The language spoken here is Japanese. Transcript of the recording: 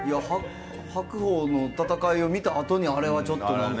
白鵬の戦いを見たあとに、あれはちょっとなんか。